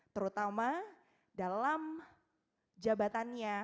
terutama dalam jabatannya